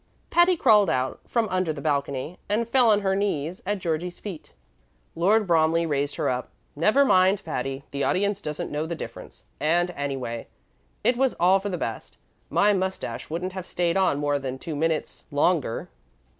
Patty crawled out from under the balcony and fell on her knees at Georgie's feet. Lord Bromley raised her up. "Never mind, Patty. The audience doesn't know the difference; and, anyway, it was all for the best. My mustache wouldn't have stayed on more than two minutes longer."